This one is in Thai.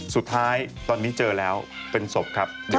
สุดท้ายตอนนี้เจอแล้วเป็นศพครับเดี๋ยวกลับมา